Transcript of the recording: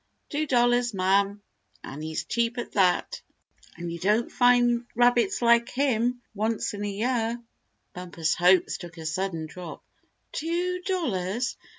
"Two dollars, ma'm, an' he's cheap at that! You don't find rabbits like him once in a year." Bumper's hopes took a sudden drop. Two dollars!